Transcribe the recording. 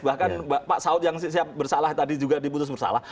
bahkan pak saud yang siap bersalah tadi juga diputus bersalah